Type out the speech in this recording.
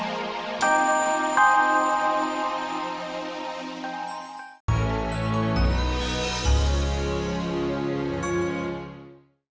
kamu bukan murid tau